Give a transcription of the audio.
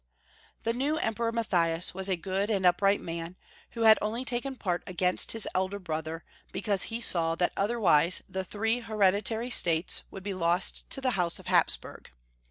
THE new Emperor, Matthias, was a good and upright man, who had only taken part against liis elder brother because he saw that other wise the three hereditary states would be lost to the House of Hapsburg.